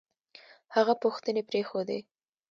هغه پوښتنې پرېښودې